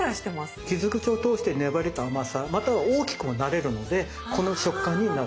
傷口を通して粘りと甘さまたは大きくもなれるのでこの食感になる。